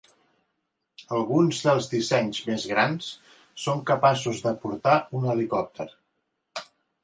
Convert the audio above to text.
Alguns dels dissenys més grans són capaços de portar un helicòpter.